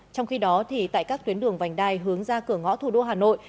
trong khi đó tại các tuyến đường vành đai hướng ra cửa ngõ thủ đô hà nội